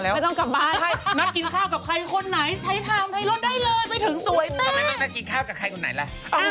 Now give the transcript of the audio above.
แต่ผ่านไม่ได้นะพี่ไม่ผ่านไม่ได้นะพี่